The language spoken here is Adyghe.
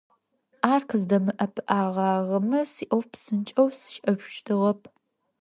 Ар къыздэмыӀэпыӀэгъагъэмэ, сиӀоф псынкӀэу сшӀэшъущтыгъэп.